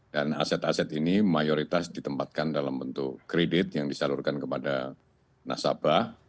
dan aset aset ini mayoritas ditempatkan dalam bentuk kredit yang disalurkan kepada nasabah